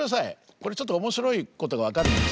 これちょっと面白いことが分かるんですけど。